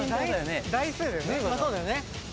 台数そうだよね。